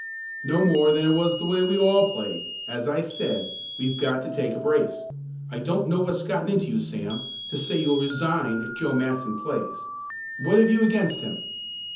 "No more than it was the way we all played. As I said, we've got to take a brace. I don't know what's gotten into you, Sam, to say you'll resign if Joe Matson plays. What have you against him?"